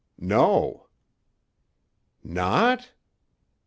"No." "Not?